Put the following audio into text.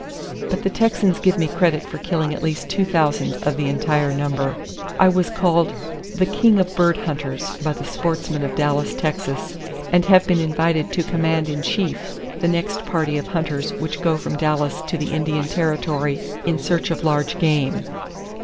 But the Texans give me credit for killing at least 2,000 of the entire number. I was called 'the king of bird hunters' by the sportsmen of Dallas, Texas, and have been invited to command in chief the next party of hunters which go from Dallas to the Indian Territory in search of large game.